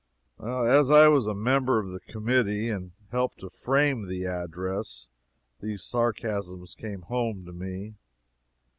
As I was a member of the committee, and helped to frame the Address, these sarcasms came home to me.